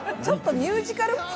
ちょっとミュージカル。